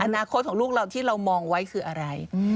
อนาคตของลูกเราที่เรามองไว้คืออะไร